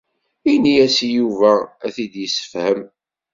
Ini-as i Yuba ad t-id-yessefhem.